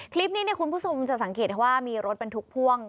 คลิปนี้คุณผู้ชมจะสังเกตว่ามีรถบรรทุกพ่วง